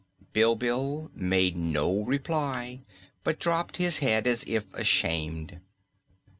Bilbil made no reply but dropped his head as if ashamed.